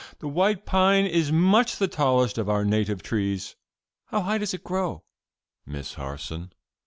The white pine is much the tallest of our native trees.'" "How high does it grow, Miss Harson?"